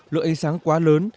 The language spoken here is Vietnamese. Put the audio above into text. lượng ánh sáng quá lớn